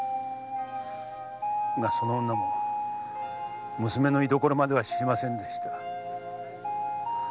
がその女も娘の居どころまでは知りませんでした。